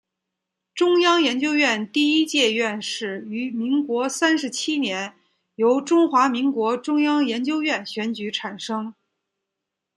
中央研究院第一届院士于民国三十七年由中华民国中央研究院选举产生。